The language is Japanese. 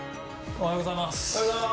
おはようございます。